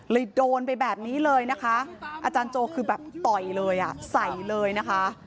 โดนไปแบบนี้เลยนะคะอาจารย์โจคือแบบต่อยเลยอ่ะใส่เลยนะคะ